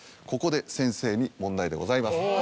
ここで先生に問題でございます。